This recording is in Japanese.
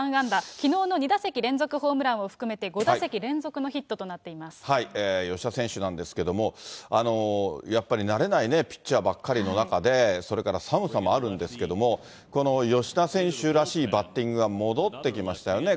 きのうの２打席連続ホームランを含めて５打席連続のヒットとなっ吉田選手なんですけども、やっぱり慣れないピッチャーばっかりの中で、それから寒さもあるんですけども、この吉田選手らしいバッティングが戻ってきましたよね。